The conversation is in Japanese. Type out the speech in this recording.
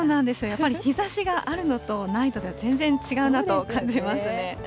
やっぱり日ざしがあるのとないとでは、全然違うなと感じますね。